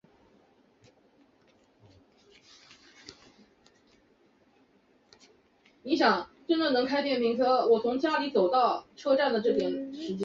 拥有第二名的人往往会选择使用两个名字中的一个。